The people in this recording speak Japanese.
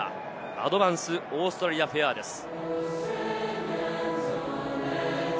『アドバンス・オーストラリア・フェア』です。